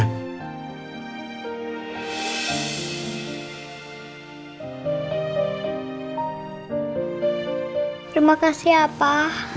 terima kasih ya pak